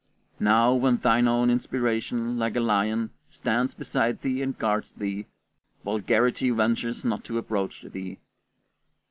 Now, when thine own inspiration, like a lion, stands beside thee and guards thee, vulgarity ventures not to approach thee.